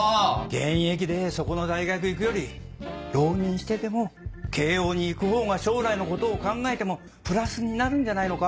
現役でそこの大学行くより浪人してでも慶應に行く方が将来のことを考えてもプラスになるんじゃないのか？